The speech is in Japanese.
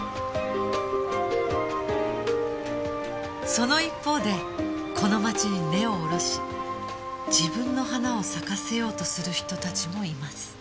その一方でこの街に根を下ろし自分の花を咲かせようとする人たちもいます